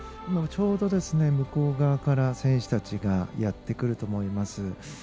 今、ちょうど向こう側から選手たちがやってくると思います。